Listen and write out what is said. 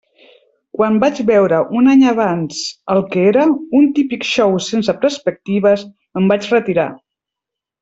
Quan vaig veure un any abans el que era, un típic xou sense perspectives, me'n vaig retirar.